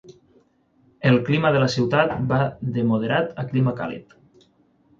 El clima de la ciutat va de moderat a clima càlid.